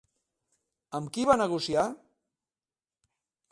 Amb qui va negociar?